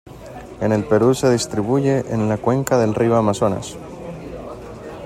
En el Perú se distribuye en la cuenca del río Amazonas.